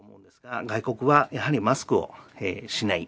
外国はやはりマスクをしない。